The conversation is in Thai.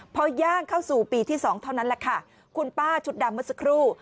พอย่างเข้าสู่ปีที่สองเท่านั้นแหละค่ะคุณป้าชุดดำเมื่อสักครู่